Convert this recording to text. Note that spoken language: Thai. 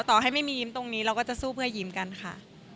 ต่อให้ไม่มียิ้มตรงนี้เราก็จะสู้เพื่อยิ้มกันค่ะ